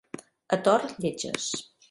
A Tor, lletges.